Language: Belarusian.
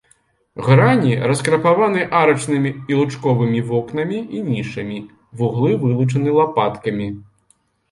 Грані раскрапаваны арачнымі і лучковымі вокнамі і нішамі, вуглы вылучаны лапаткамі.